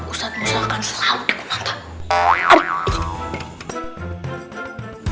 ustadz musa akan selalu dikurangkan